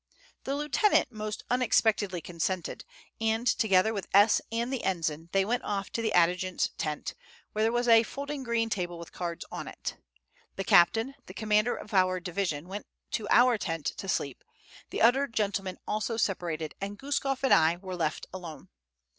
The lieutenant most unexpectedly consented; and, together with S. and the ensign, they went off to the adjutant's tent, where there was a folding green table with cards on it. The captain, the commander of our division, went to our tent to sleep; the other gentlemen also separated, and Guskof and I were left alone.